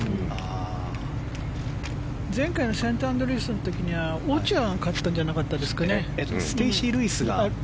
前回のセントアンドリュースの時にはオチュアが勝ったんじゃなかったでしたっけ？